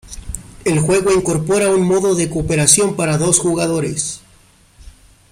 El juego incorpora un modo de cooperación para dos jugadores.